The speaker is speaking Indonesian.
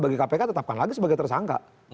bagi kpk tetapkan lagi sebagai tersangka